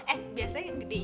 eh biasanya yang gede